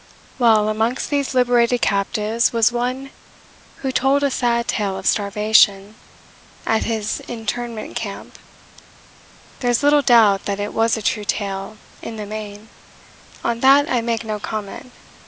Well, amongst these liberated captives was one who told a sad tale of starvation at his internment camp. There is little doubt that it was a true tale, in the main. On that I make no comment.